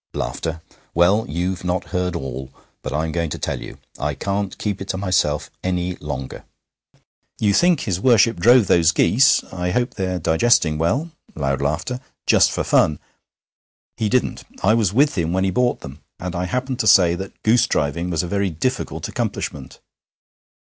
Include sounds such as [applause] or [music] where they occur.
[laughs] Well, you've not heard all, but I'm going to tell you. I can't keep it to myself any longer. You think his Worship drove those geese I hope they're digesting well (loud laughter) just for fun. He didn't. I was with him when he bought them, and I happened to say that goosedriving was a very difficult accomplishment.'